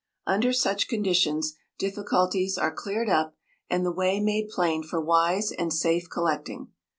Under such conditions difficulties are cleared up, and the way made plain for wise and safe collecting.